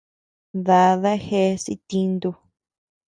Dada jeas itintu.